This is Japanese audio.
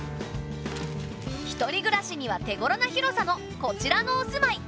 一人暮らしには手ごろな広さのこちらのお住まい。